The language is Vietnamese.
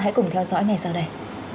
hãy cùng theo dõi ngày sau đây